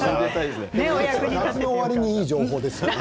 夏の終わりにいい情報ですよね。